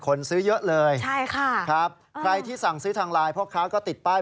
คนซื้อเยอะเลยใช่ค่ะครับใครที่สั่งซื้อทางไลน์พ่อค้าก็ติดป้าย